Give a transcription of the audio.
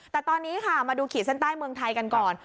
แต่ตอนนี้ค่ะมาดูขีดเส้นใต้เมืองไทยกันก่อน